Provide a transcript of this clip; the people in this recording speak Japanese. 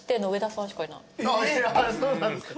そうなんですか。